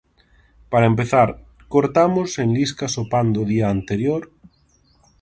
Para empezar, cortamos en liscas o pan do día anterior.